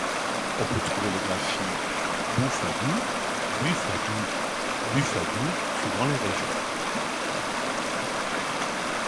On peut trouver les graphies boufadou, buffadou, bufadou, suivant les régions.